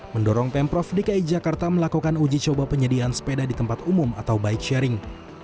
mendorong pemprov dki jakarta melakukan uji coba penyediaan sepeda di tempat umum atau bike sharing